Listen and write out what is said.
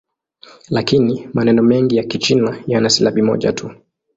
Lakini maneno mengi ya Kichina yana silabi moja tu.